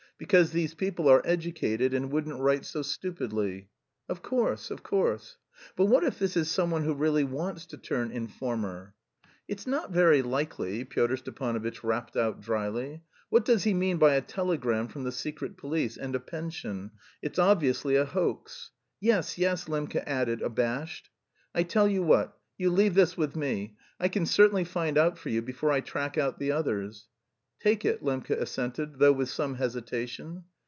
Because these people are educated and wouldn't write so stupidly." "Of course, of course." "But what if this is someone who really wants to turn informer?" "It's not very likely," Pyotr Stepanovitch rapped out dryly. "What does he mean by a telegram from the Secret Police and a pension? It's obviously a hoax." "Yes, yes," Lembke admitted, abashed. "I tell you what: you leave this with me. I can certainly find out for you before I track out the others." "Take it," Lembke assented, though with some hesitation.